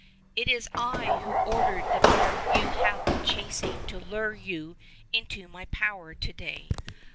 " It is I who ordered the bear you have been chasing to lure you into my power to day.